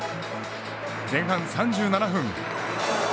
前半３７分。